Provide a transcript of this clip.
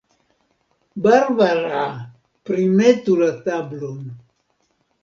Barbara, primetu la tablon.